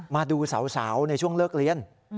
มาดูสาวในช่วงเลิกเรียน